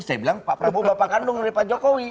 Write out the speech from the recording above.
saya bilang pak prabowo bapak kandung dari pak jokowi